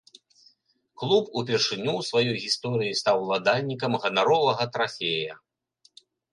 Клуб упершыню ў сваёй гісторыі стаў уладальнікам ганаровага трафея.